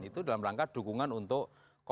itu dalam rangka dukungan untuk